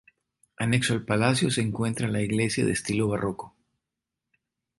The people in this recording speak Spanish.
Anexo al Palacio se encuentra la iglesia de estilo barroco.